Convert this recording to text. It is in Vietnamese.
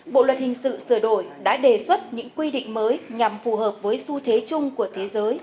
bộ luật hình sự sửa đổi đã đề xuất những quy định mới nhằm phù hợp với xu thế chung của thế giới